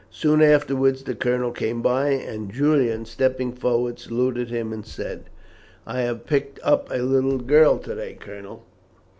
Soon afterwards the colonel came by, and Julian, stepping forward, saluted him and said: "I have picked up a little girl to day, Colonel."